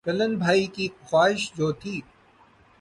کلن بھائی کی خواہش جوتی